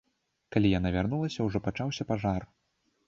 Калі яна вярнулася, ужо пачаўся пажар.